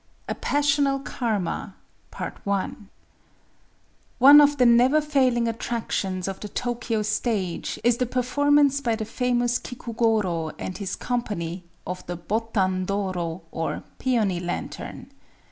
A Passional Karma One of the never failing attractions of the Tōkyō stage is the performance, by the famous Kikugorō and his company, of the Botan Dōrō, or "Peony Lantern."